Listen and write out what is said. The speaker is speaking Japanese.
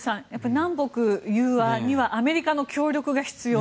南北融和にはアメリカの協力が必要。